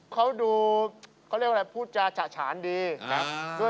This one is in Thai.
เขาดูเขาเรียกว่าอะไรพูดจาฉะฉานดีครับ